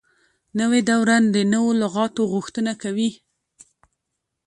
نوې دوره د نوو لغاتو غوښتنه کوي.